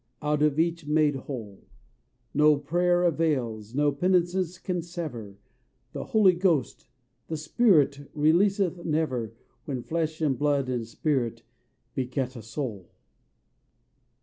out of each made whole! No prayer avails, no penances can sever: The Holy Ghost the Spirit releaseth never When flesh and blood and spirit beget a soul.